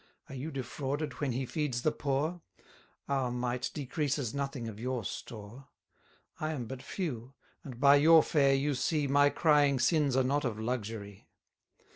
Are you defrauded when he feeds the poor? Our mite decreases nothing of your store. I am but few, and by your fare you see My crying sins are not of luxury.